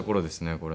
これ。